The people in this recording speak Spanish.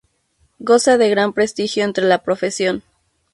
Goza de gran prestigio entre la profesión.